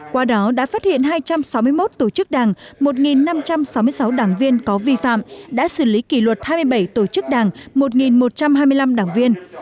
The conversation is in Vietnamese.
qua đó đã phát hiện hai trăm sáu mươi một tổ chức đảng một năm trăm sáu mươi sáu đảng viên có vi phạm đã xử lý kỷ luật hai mươi bảy tổ chức đảng một một trăm hai mươi năm đảng viên